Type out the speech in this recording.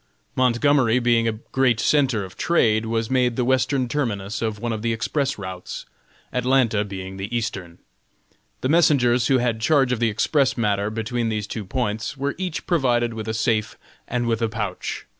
Montgomery being a great centre of trade was made the western terminus of one of the express routes, Atlanta being the eastern. The messengers who had charge of the express matter between these two points were each provided with a safe and with a pouch.